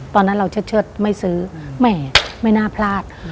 ตอนนั้นเราเชิดไม่ซื้อแหมไม่น่าพลาด